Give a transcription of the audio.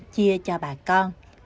chia cho bà con